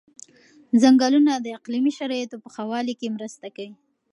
ځنګلونه د اقلیمي شرایطو په ښه والي کې مرسته کوي.